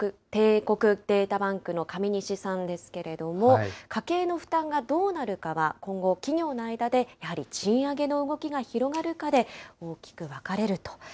帝国データバンクの上西さんですけれども、家計の負担がどうなるかは、今後、企業の間でやはり賃上げの動きが広がるかで大きく分かれると。